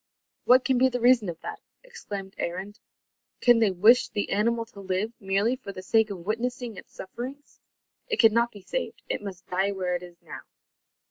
"What can be the reason of that?" exclaimed Arend. "Can they wish the animal to live, merely for the sake of witnessing its sufferings? It cannot be saved. It must die where it is now."